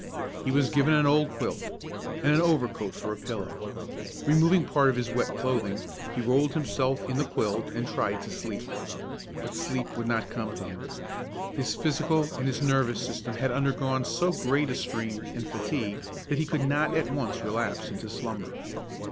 He was given an old quilt, and an overcoat for a pillow. Removing part of his wet clothing, he rolled himself in the quilt and tried to sleep; but sleep would not come to him. His physical and his nervous system had undergone so great a strain and fatigue that he could not at once relapse into slumber.